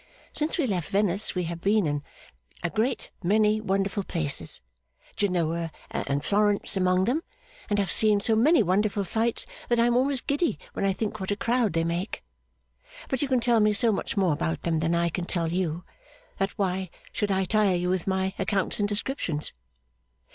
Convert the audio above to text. Since we left Venice we have been in a great many wonderful places, Genoa and Florence among them, and have seen so many wonderful sights, that I am almost giddy when I think what a crowd they make. But you can tell me so much more about them than I can tell you, that why should I tire you with my accounts and descriptions?